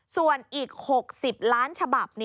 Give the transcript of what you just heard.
ส่วนอีก๖๐ล้านฉบับ